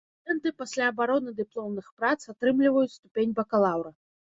Студэнты пасля абароны дыпломных прац атрымліваюць ступень бакалаўра.